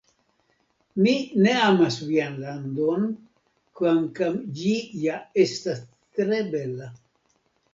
Mi ne amas vian landon, kvankam ĝi ja estas tre bela.